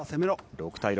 ６対６。